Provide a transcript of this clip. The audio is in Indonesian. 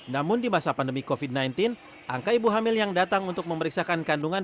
namun di masa pandemi covid sembilan belas angka ibu hamil yang datang untuk memeriksakan kandungan